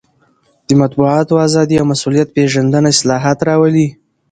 د مطبوعاتو ازادي او مسوولیت پېژندنه اصلاحات راولي.